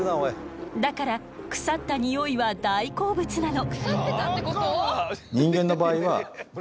だから腐ったニオイは大好物なの。